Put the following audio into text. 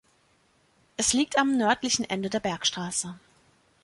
Es liegt am nördlichen Ende der Bergstraße.